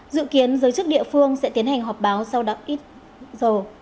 dự kiến giới chức địa phương sẽ tiến hành họp báo sau đó ít giờ